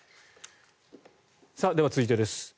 では、続いてです。